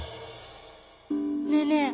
ねえねえ